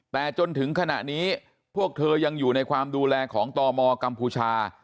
แต่จนถึงขณะนี้พวกเธอยังอยู่ในความดูแลของตมกัมพูชา